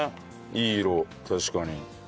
いい色確かに。